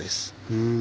うん。